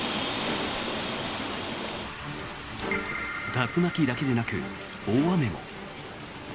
竜巻だけでなく大雨も。